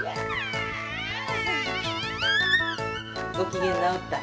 ごきげんなおった？